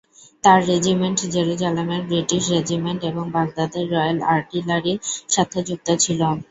তার রেজিমেন্ট জেরুজালেমের British regiment এবং বাগদাদের রয়েল আর্টিলারির সাথে যুক্ত ছিল।